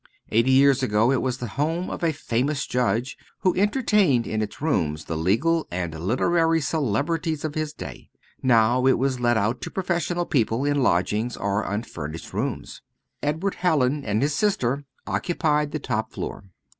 Eighty years ago it was the home of a famous judge, who entertained in its rooms the legal and literary celebrities of his day. Now it was let out to professional people in lodgings or unfurnished rooms. Edward Hallin and his sister occupied the top floor.